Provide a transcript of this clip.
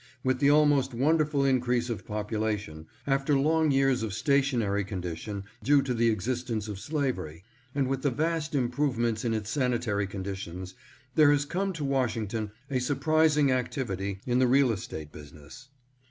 With the almost wonderful increase of population, after long years of stationary condition due to the existence of slavery, and with the vast improvements in its sanitary condi tions, there has come to Washington a surprising activ ity in the real estate business.